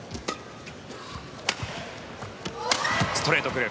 ストレート、来る。